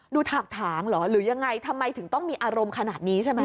ถากถางเหรอหรือยังไงทำไมถึงต้องมีอารมณ์ขนาดนี้ใช่ไหม